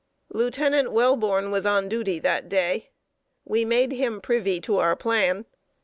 ] Lieutenant Welborn was on duty that day. We made him privy to our plan.